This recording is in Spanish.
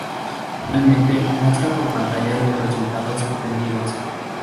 Finalmente muestra por pantalla los resultados obtenidos.